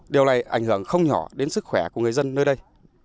điều này ảnh hưởng không nhỏ đến sức khỏe của người dân nơi đây